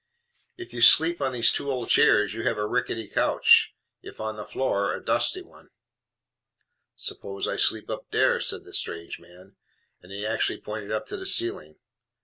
"If you sleep on these two old chairs you have a rickety couch; if on the floor, a dusty one." "Suppose I sleep up dere?" said this strange man, and he actually pointed up to the ceiling.